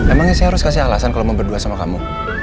emangnya saya harus kasih alasan kalau mau berdua sama kamu